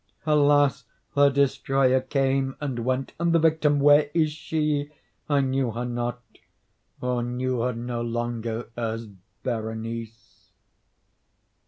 Alas! the destroyer came and went!—and the victim—where is she? I knew her not—or knew her no longer as Berenice.